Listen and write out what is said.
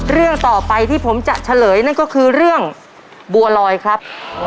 เรื่องต่อไปที่ผมจะเฉลยนั่นก็คือเรื่องบัวลอยครับ